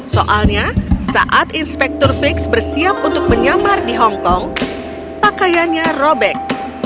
soalnya saat inspektur fix bersiap untuk menyamar di hongkong pakaiannya robek